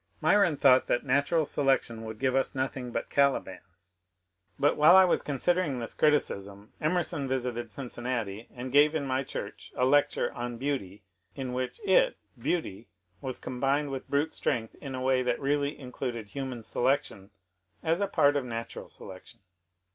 Myron thought that natural selection would give us nothing but Calibans. But while I was considering this criticism, Emerson visited Cincinnati and gave in my church a lecture on " Beauty," in which it (Beauty) was combined with brute strength in a way that really included human selection as a part of natural selec tion.